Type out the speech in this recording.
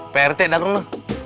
pak rt dateng lu